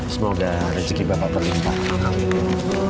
semoga rezeki bapak bertimbang